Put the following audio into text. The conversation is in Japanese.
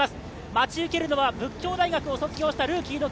待ち受けるのは仏教大学を卒業した。